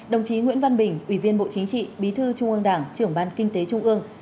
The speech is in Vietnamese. đồng chí nguyễn văn bình ủy viên bộ chính trị bí thư trung ương đảng trưởng ban kinh tế trung ương